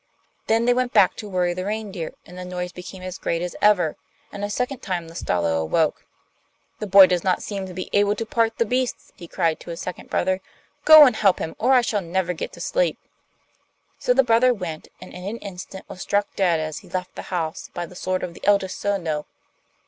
Then they went back to worry the reindeer, and the noise became as great as ever, and a second time the Stalo awoke. 'The boy does not seem to be able to part the beasts,' he cried to his second brother; 'go and help him, or I shall never get to sleep.' So the brother went, and in an instant was struck dead as he left the house by the sword of the eldest Sodno.